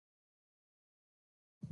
خو موږ یې قانع نه شوو کړی.